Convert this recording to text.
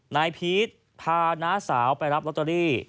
นายพีชพาน้าสาวไปรับลอตเตอรี่